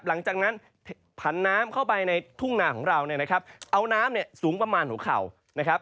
หลังจากนั้นผันน้ำเข้าไปในทุ่งนาของเราเนี่ยนะครับเอาน้ำเนี่ยสูงประมาณหัวเข่านะครับ